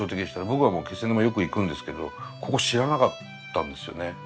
僕はもう気仙沼よく行くんですけどここ知らなかったんですよね。